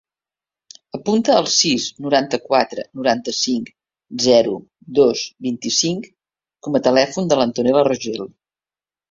Apunta el sis, noranta-quatre, noranta-cinc, zero, dos, vint-i-cinc com a telèfon de l'Antonella Rogel.